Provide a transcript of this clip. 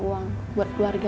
dan ngirim uang buat keluarga